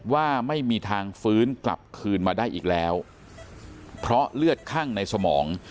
ว่าไม่มีทางฟื้นกลับคืนมาได้อีกแล้วเพราะเลือดคั่งในสมอง